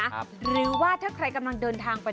หรือว่าถ้าใครกำลังเดินทางไป